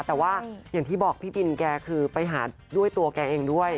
แต่ว่าอย่างที่บอกพี่บินแกคือไปหาด้วยตัวแกเองด้วย